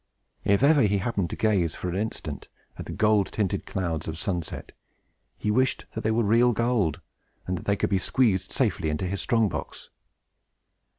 If ever he happened to gaze for an instant at the gold tinted clouds of sunset, he wished that they were real gold, and that they could be squeezed safely into his strong box.